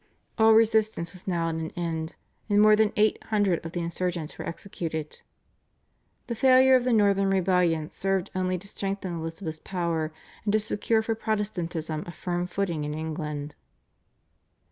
All resistance was now at an end, and more than eight hundred of the insurgents were executed. The failure of the Northern Rebellion served only to strengthen Elizabeth's power, and to secure for Protestantism a firm footing in England.